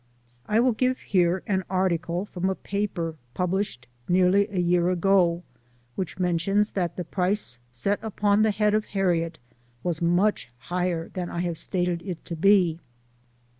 I will give here an article from a paper published nearly a year ago, which mentions that the price set upon the head of Harriet was much higher than I have stated it to be.